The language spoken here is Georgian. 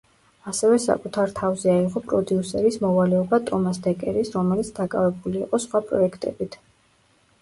ასევე საკუთარ თავზე აიღო პროდიუსერის მოვალეობა ტომას დეკერის რომელიც დაკავებული იყო სხვა პროექტებით.